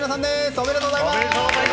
おめでとうございます！